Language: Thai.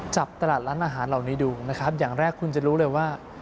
จับตลาดร้านอาหารเหล่านี้ดูนะครับอย่างแรกคุณจะรู้เลยว่า